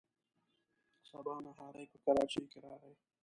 سبا نهاری په کراچۍ کې راغی.